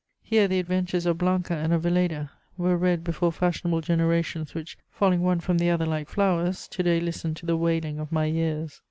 Here the adventures of Blanca and of Velléda were read before fashionable generations which, falling one from the other like flowers, to day listen to the wailing of my years.